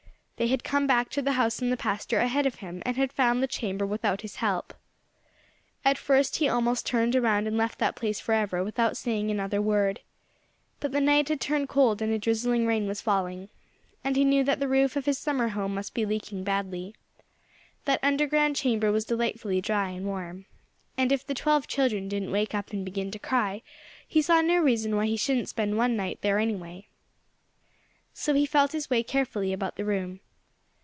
They had come back to the house in the pasture ahead of him, and had found the chamber without his help. At first he almost turned around and left that place forever, without saying another word. But the night had turned cold and a drizzling rain was falling. And he knew that the roof of his summer home must be leaking badly. That underground chamber was delightfully dry and warm. And if the twelve children didn't wake up and begin to cry he saw no reason why he shouldn't spend one night there, anyway. So he felt his way carefully about the room.